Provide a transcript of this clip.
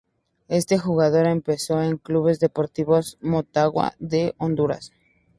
Este Jugador empezó en Club Deportivo Motagua de Honduras.